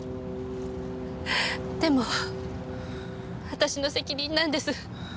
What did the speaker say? でも私の責任なんです。